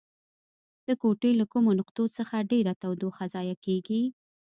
د کوټې له کومو نقطو څخه ډیره تودوخه ضایع کیږي؟